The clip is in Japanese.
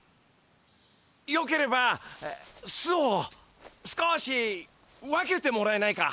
よければ巣を少し分けてもらえないか？